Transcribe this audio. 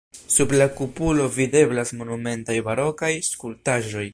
Sub la kupolo videblas monumentaj barokaj skulptaĵoj.